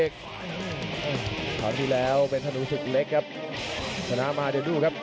กระโดยสิ้งเล็กนี่ออกกันขาสันเหมือนกันครับ